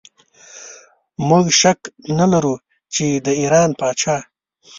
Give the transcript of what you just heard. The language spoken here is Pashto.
موږ شک نه لرو چې که د ایران پاچا.